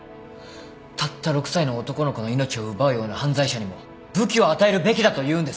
たった６歳の男の子の命を奪うような犯罪者にも武器を与えるべきだというんですか？